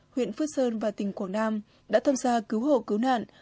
huyện phước sơn và tỉnh quảng nam đã thăm xa cứu hộ cứu nạn